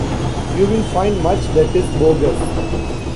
You will find much that is bogus.